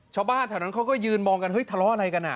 ชาวบ้านแถวนั้นเขาก็ยืนมองกันเฮ้ยทะเลาะอะไรกันอ่ะ